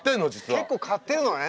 結構刈ってるのね。